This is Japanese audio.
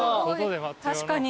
確かに。